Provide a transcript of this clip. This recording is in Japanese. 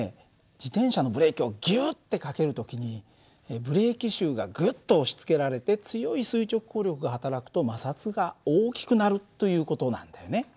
自転車のブレーキをギュッてかける時にブレーキシューがグッと押しつけられて強い垂直抗力がはたらくと摩擦が大きくなるという事なんだよね。